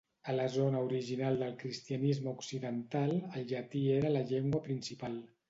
A la zona original del cristianisme occidental, el llatí era la llengua principal.